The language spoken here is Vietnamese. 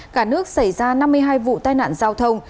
cả nước xảy ra năm mươi hai vụ tai nạn giao thông